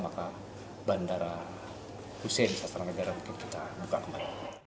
maka bandara hussein sastranagara mungkin kita buka kembali